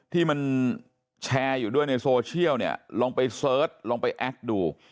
ที่มันแชร์อยู่ด้วยในโซเชียลเนี่ยลองไปเสิร์ชลองไปแอดดู